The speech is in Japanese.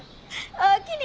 おおきに！